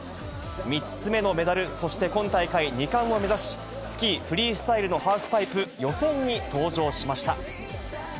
３つ目のメダル、そして、今大会２冠を目指し、スキーフリースタイルのハーフパイプ予選に登場しました。